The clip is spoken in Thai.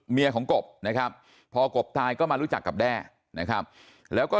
เมียของกบนะครับพอกบตายก็มารู้จักกับแด้นะครับแล้วก็